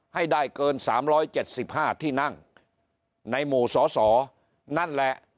ให้ได้เกินสามร้อยเจ็ดสิบห้าที่นั่งในหมู่สอสอนั่นแหละ